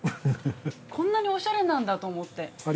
こんなにおしゃれなんだと思って。